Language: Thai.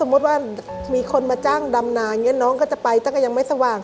ว่ามีคนมาจ้างดำนาอย่างนี้น้องก็จะไปตั้งก็ยังไม่สว่าง